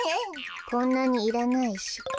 こんなにいらないし。